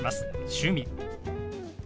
「趣味」。